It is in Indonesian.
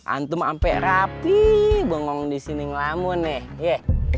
antum sampai rapi bengong di sini ngelamun ya